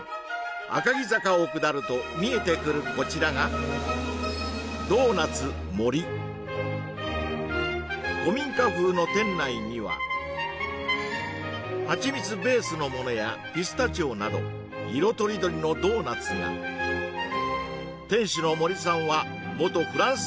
赤城坂を下ると見えてくるこちらが古民家風の店内にははちみつベースのものやピスタチオなど色とりどりのドーナツが店主の森さんは元フランス